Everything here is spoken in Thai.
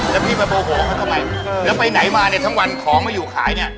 แล้วพี่มาโบโหเขาทำไมแล้วไปไหนมาวันของเขามาอยู่ขายเนี่ย